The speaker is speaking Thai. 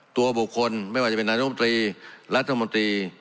ตัวบุคคลไม่ว่าจะเป็นนัฐบาลนูลมนตรีรัฐบาลนูลมนตรี